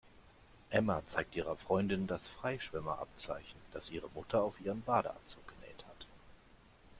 Emma zeigt ihrer Freundin das Freischwimmer-Abzeichen, das ihre Mutter auf ihren Badeanzug genäht hat.